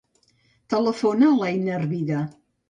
Telefona a l'Einar Vida.